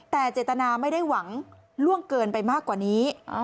แต่เจตนาไม่ได้หวังล่วงเกินไปมากกว่านี้